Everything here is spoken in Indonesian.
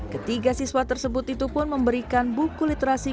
ketiga siswa tersebut itu pun memberikan buku literasi